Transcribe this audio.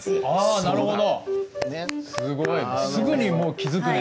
なるほど。